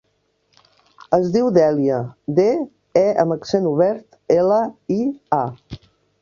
Es diu Dèlia: de, e amb accent obert, ela, i, a.